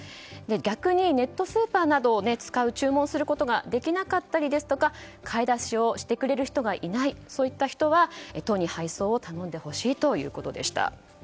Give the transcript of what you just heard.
逆にネットスーパーなどで注文することができなかったりですとか買い出しをしてくれる人がいないといった人は都に配送を頼んでほしいということでした。